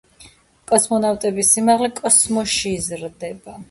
კოსმონავტების სიმაღლე კოსმოსში იზრდება.